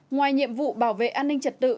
ngoài nhiệm vụ bảo vệ an ninh trật tự